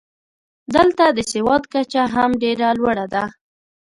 دلته د سواد کچه هم ډېره لوړه ده.